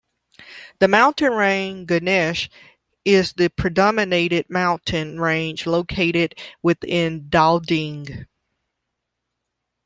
The mountain range "Ganesh" is the predominated mountain range located within Dhading.